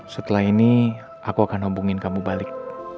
setelah ini aku akan ombungin kamu balik